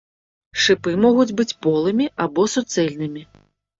Шыпы могуць быць полымі або суцэльнымі.